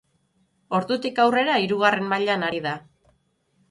Ordutik aurrera hirugarren mailan ari da.